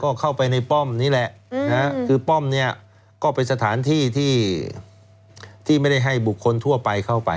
ก็เข้าไปในป้อมนี่แหละคือป้อมเนี่ยก็เป็นสถานที่ที่ไม่ได้ให้บุคคลทั่วไปเข้าไป